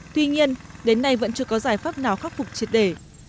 tuy nhiên đến nay vẫn chưa có giải pháp nào khắc phục triệt để